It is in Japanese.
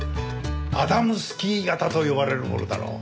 アダムスキー型と呼ばれるものだろう。